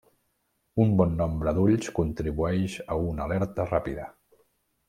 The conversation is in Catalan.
Un bon nombre d'ulls contribueix a una alerta ràpida.